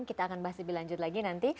kita akan bahas lebih lanjut lagi nanti